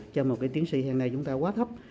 cho một cái tiến sĩ hiện nay chúng ta quá thấp